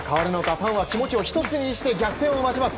ファンは気持ちを１つにして逆転を待ちます。